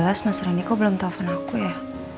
udah jam dua belas mas rendy kok belum telfon aku ya